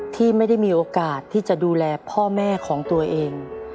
ที่ไม่ได้มีโอกาสที่จะดูแลพ่อแม่ของตัวเอง